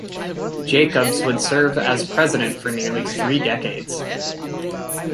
Jacobs would serve as president for nearly three decades.